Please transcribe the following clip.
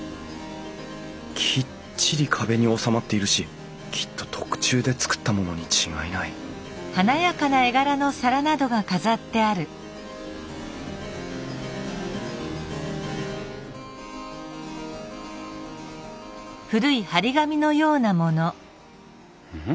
きっちり壁に納まっているしきっと特注で作ったものに違いないん？